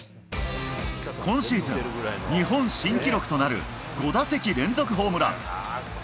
今シーズン、日本新記録となる５打席連続ホームラン。